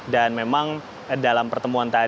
dan memang dalam pertemuan tersebut